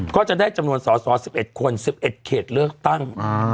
ก็จะได้จำนวนสอสอ๑๑คน๑๑เขตเลือกตั้ง